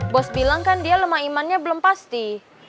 bos bilang kan dia lemah imannya belum pasti